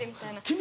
君。